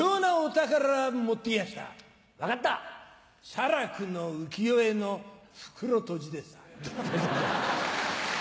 写楽の浮世絵の袋とじでさぁ。